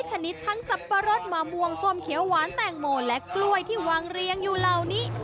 ชนิดทั้งสับปะรดมะม่วงส้มเขียวหวานแตงโมและกล้วยที่วางเรียงอยู่เหล่านี้